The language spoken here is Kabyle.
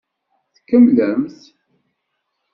Tkemmlemt.